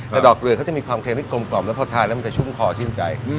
แต่ดอกเกลือเขาจะมีความเค็มที่กลมแล้วพอทานมันจะชุ่มคอชิ้นใจ